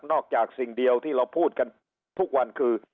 สิ่งเดียวที่เราพูดกันทุกวันคือ